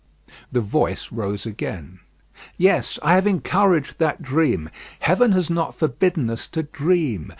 The voice rose again: "Yes, I have encouraged that dream. Heaven has not forbidden us to dream.